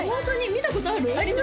見たことある？